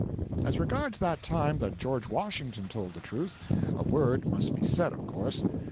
As regards that time that George Washington told the truth, a word must be said, of course.